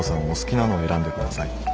お好きなのを選んでください。